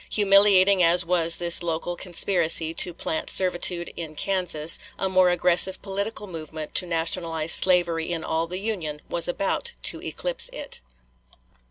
Humiliating as was this local conspiracy to plant servitude in Kansas, a more aggressive political movement to nationalize slavery in all the Union was about to eclipse it.